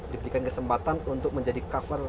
diberikan kesempatan untuk menjadi cover